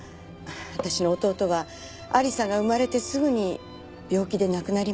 私の弟は亜理紗が生まれてすぐに病気で亡くなりました。